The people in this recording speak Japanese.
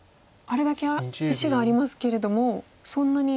あれだけ石がありますけれどもそんなに。